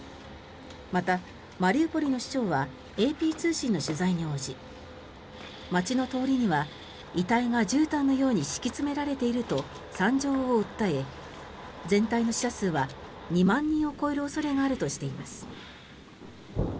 また、マリウポリの市長はＡＰ通信の取材に応じ街の通りには遺体がじゅうたんのように敷き詰められていると惨状を訴え全体の死者数は２万人を超える恐れがあるとしています。